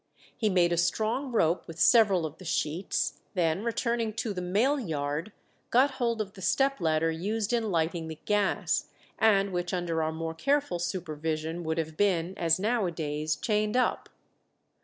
He made a strong rope with several of the sheets; then, returning to the male yard, got hold of the step ladder used in lighting the gas, and which under our more careful supervision would have been, as now a days, chained up.